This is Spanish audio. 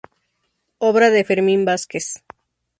Obra de Fermín Vázquez.